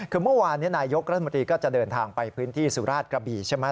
คือเมื่อวานนี้นายกรัฐมนตรีก็จะเดินทางไปพื้นที่สุราชกระบี่ใช่ไหม